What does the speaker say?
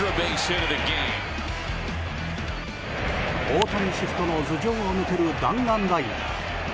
大谷シフトの頭上を抜ける弾丸ライナー！